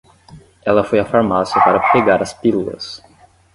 Ela foi à farmácia para pegar as pílulas.